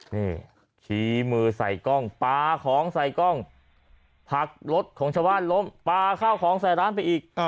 นี่ชี้มือใส่กล้องปลาของใส่กล้องผักรถของชาวบ้านล้มปลาข้าวของใส่ร้านไปอีก